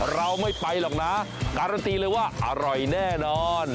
เราไม่ไปหรอกนะการันตีเลยว่าอร่อยแน่นอน